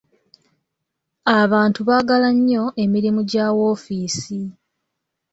Abantu baagala nnyo emirimu gya woofiisi.